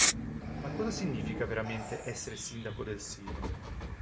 Ma cosa significa veramente essere sindaco del Silo?